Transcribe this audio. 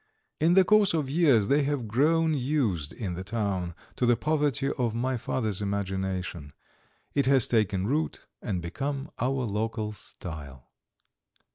In the course of years they have grown used in the town to the poverty of my father's imagination. It has taken root and become our local style.